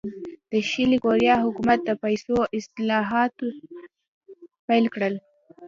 د شلي کوریا حکومت د پیسو اصلاحات پیل کړل.